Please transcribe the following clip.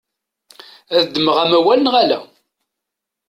Ad d-ddmeɣ amawal neɣ ala?